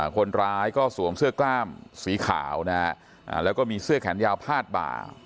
คนร้ายก็สวมเสื้อกล้ามสีขาวนะฮะแล้วก็มีเสื้อแขนยาวพาดบ่า